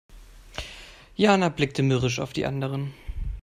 Jana blickte mürrisch auf die anderen.